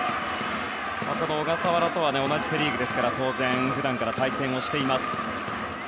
小笠原とは同じセ・リーグですから当然、普段から対戦をしています。